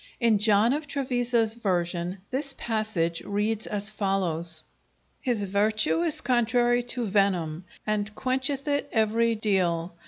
In John of Trevisa's version this passage reads as follows: His vertue is contrary to venym, and quencheth it every deale.